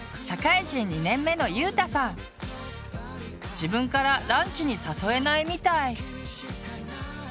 自分からランチに誘えないみたい。